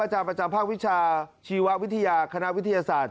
อาจารย์ประจำภาควิชาชีววิทยาคณะวิทยาศาสตร์